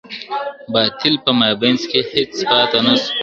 باطل په مابينځ کي هیڅ پاته نه سو.